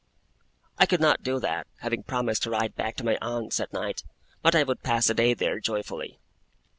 I could not do that, having promised to ride back to my aunt's at night; but I would pass the day there, joyfully.